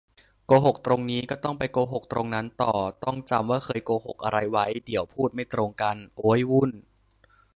โกหกตรงนี้ ก็ต้องไปโกหกตรงนั้นต่อ ต้องจำว่าเคยโกหกอะไรไว้ เดี๋ยวพูดไม่ตรงกัน โอ๊ย วุ่น